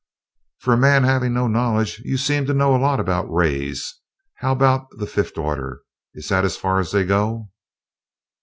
"For a man having no knowledge, you seem to know a lot about rays. How about the fifth order is that as far as they go?"